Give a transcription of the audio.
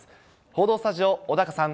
報道スタジオ、小高さん。